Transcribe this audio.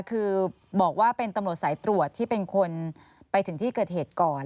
คือบอกว่าเป็นตำรวจสายตรวจที่เป็นคนไปถึงที่เกิดเหตุก่อน